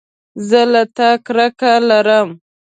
زه له تا کرکه لرم